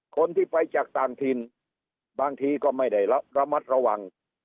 คนที่ไปจากต่างถิ่นบางทีก็ไม่ได้ระมัดระวัง